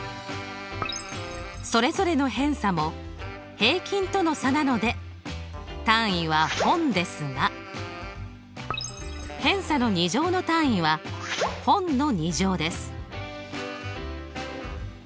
それぞれの偏差も平均との差なので単位は本ですが偏差の２乗の単位は本の２乗です。